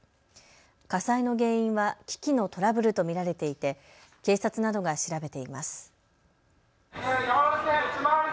火災の原因は機器のトラブルと見られていて警察などが調べています。